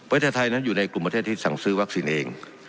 เวทยาไทยอยู่ในกลุ่มประเทศที่สั่งซื้อวัคซินเอง